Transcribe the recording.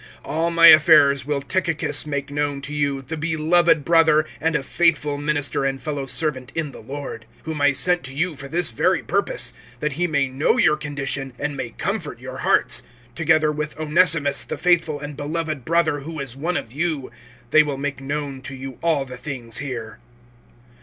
(7)All my affairs will Tychicus make known to you, the beloved brother, and a faithful minister and fellow servant in the Lord; (8)whom I sent to you for this very purpose, that he may know your condition, and may comfort your hearts; (9)together with Onesimus, the faithful and beloved brother, who is one of you. They will make known to you all the things here.